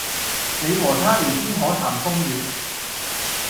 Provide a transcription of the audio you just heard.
你和他聊天可談風月